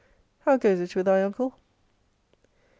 How goes it with thy uncle?